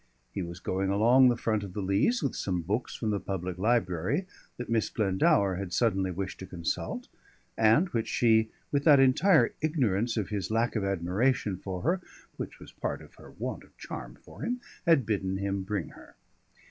He was going along the front of the Leas with some books from the Public Library that Miss Glendower had suddenly wished to consult, and which she, with that entire ignorance of his lack of admiration for her which was part of her want of charm for him, had bidden him bring her.